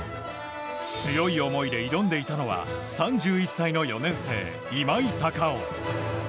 強い思いで挑んでいたのは３１歳の４年生、今井隆生。